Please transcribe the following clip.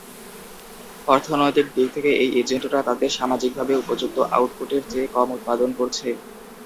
অর্থনৈতিক দিক থেকে এই এজেন্টরা তাদের সামাজিকভাবে উপযুক্ত আউটপুটের চেয়ে কম উৎপাদন করছে।